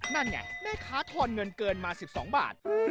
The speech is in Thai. นั่นไงแม่ค้าทอนเงินเกินมา๑๒บาท